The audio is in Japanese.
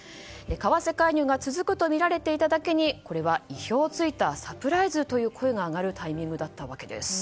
為替介入が続くとみられていただけにこれは意表を突いたサプライズという声が上がるタイミングだったわけです。